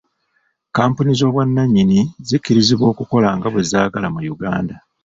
Kkampuni z'obwannannyini zikkirizibwa okukola nga bwe zaagala mu Uganda.